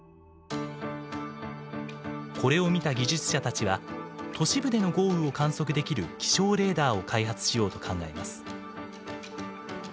これを見た技術者たちは都市部での豪雨を観測できる気象レーダーを開発しようと考えます。